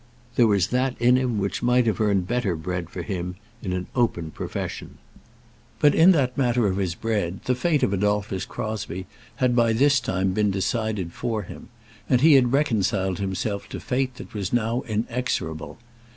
There was that in him which might have earned better bread for him in an open profession. But in that matter of his bread the fate of Adolphus Crosbie had by this time been decided for him, and he had reconciled himself to fate that was now inexorable.